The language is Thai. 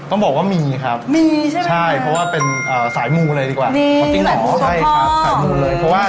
ต้องบอกว่ามีครับใช่พอว่าเป็นสายหมูเลยดีกว่า